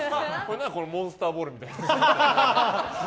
何このモンスターボールみたいな。